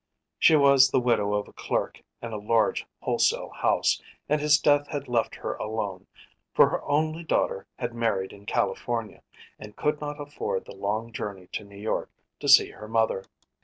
She was the widow of a clerk in a large wholesale house, and his death had left her alone, for her only daughter had married in California, and could not afford the long journey to New York to see her mother.